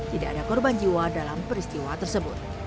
tidak ada korban jiwa dalam peristiwa tersebut